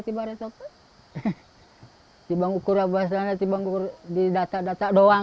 kita hanya bisa berjalan dengan data data saja